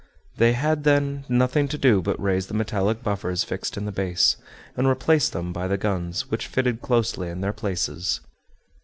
They had, then, nothing to do but raise the metallic buffers fixed in the base, and replace them by the guns, which fitted closely in their places.